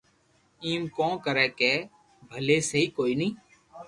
ايم ڪون ڪري ڪر ڀلي سھي ڪوئي ني